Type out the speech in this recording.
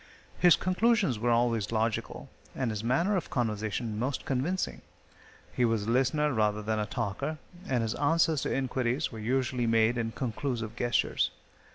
His conclusions were always logical, and his manner of conversation most convincing. He was a listener rather than a talker, and his answers to inquiries were usually made in conclusive gestures.